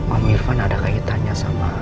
pak irfan ada kaitannya sama